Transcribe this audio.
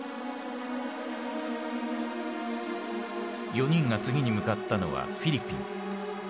４人が次に向かったのはフィリピン。